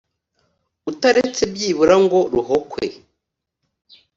Utaretse byibura ngo ruhokwe